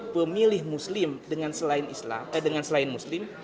pemilih muslim dengan selain muslim